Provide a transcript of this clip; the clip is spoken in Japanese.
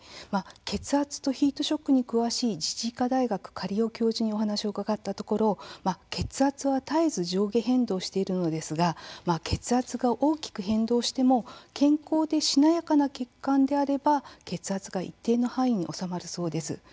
血圧とヒートショックに詳しい自治医科大学の苅尾教授にお話を伺ったところ血圧は絶えず上下変動しているのですが血圧が大きく変動しても健康でしなやかな血管であれば血圧が一定の範囲に収まるそうです。